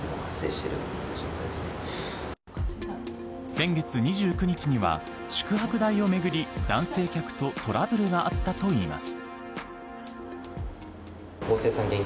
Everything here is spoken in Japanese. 先月２９日には宿泊代をめぐり男性客とトラブルがあったといいます。